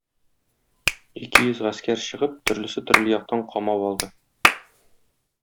Ике йөз гаскәр чыгып, төрлесе төрле яктан камап алды.